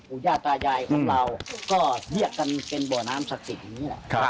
ย่าตายายของเราก็เรียกกันเป็นบ่อน้ำศักดิ์สิทธิ์อย่างนี้แหละ